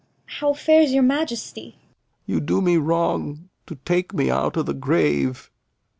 How fares your Majesty? Lear. You do me wrong to take me out o' th' grave.